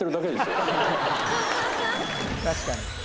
確かに。